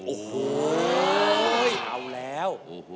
โอ้โหเอาแล้ว